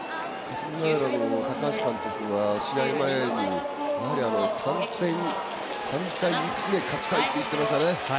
高橋監督は試合前に３対いくつで勝ちたいと言っていましたね。